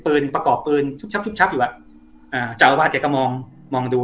ประกอบปืนชุบชับชุบชับอยู่อ่ะอ่าเจ้าอาวาสแกก็มองมองดู